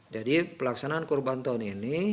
jadi pelaksanaan kurban tahun ini